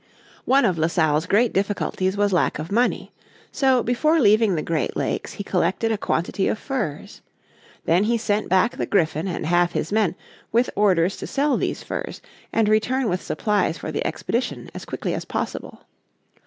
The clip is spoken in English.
One of La Salle's great difficulties was lack of money. So before leaving the great lakes he collected a quantity of furs. Then he sent back the Griffin and half his men, with orders to sell these furs, and return with supplies for the expedition as quickly as possible.